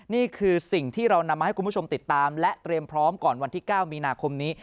นี่คือสิ่งที่เรานำมาให้คุณผู้ชมติดตามและเตรียมพร้อมก่อนวันที่๙มีนาคมนี้